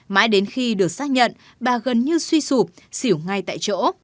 mãi đến khi được xác nhận bà gần như suy sụp xỉu ngay tại chỗ